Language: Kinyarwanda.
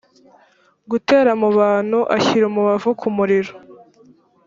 gutera mu bantu ashyira umubavu ku muriro